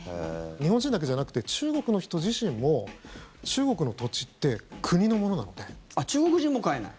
日本人だけじゃなくて中国の人自身もあ、中国人も買えない？